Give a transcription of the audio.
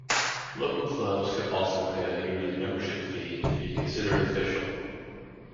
Local clubs could also pay a yearly membership fee to be considered official.